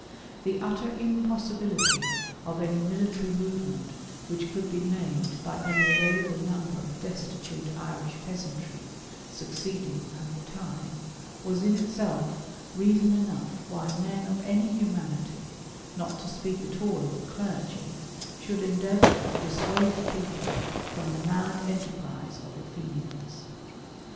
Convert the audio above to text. The utter impossibility of any military movement which could be made by any available number of destitute Irish peasantry, succeeding at the time, was in itself reason enough why men of any humanity, not to speak at all of the clergy, should endeavour to dissuade the people from the mad enterprise of the Fenians.